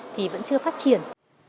thì vẫn chưa phát triển